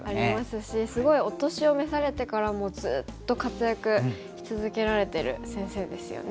すごいお年を召されてからもずっと活躍し続けられてる先生ですよね。